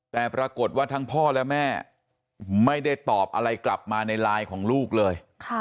แต่ปรากฏว่าทั้งพ่อและแม่ไม่ได้ตอบอะไรกลับมาในไลน์ของลูกเลย